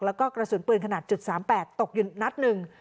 แล้วก็กระสุนปืนขนาด๓๘ตกอยู่นัดหนึ่ง